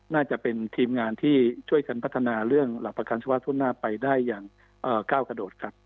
น่าจะเป็นทีมงานที่ช่วยกันพัฒนาเรื่องหลักประกันสุขภาพทั่วหน้าไปได้อย่างก้าวกระโดดครับ